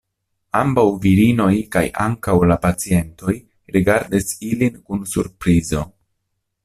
Ambau virinoj kaj ankau la pacientoj rigardis ilin kun surprizo.